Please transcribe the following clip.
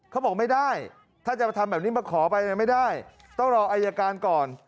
เขาบอกไม่ได้ถ้าจะมาทำแบบนี้มาขอไปไม่ได้ต้องรออายการก่อน